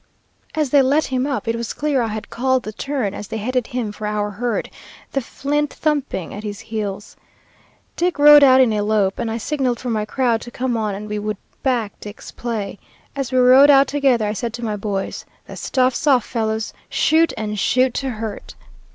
As they let him up, it was clear I had called the turn, as they headed him for our herd, the flint thumping at his heels. Dick rode out in a lope, and I signaled for my crowd to come on and we would back Dick's play. As we rode out together, I said to my boys, 'The stuff's off, fellows! Shoot, and shoot to hurt!'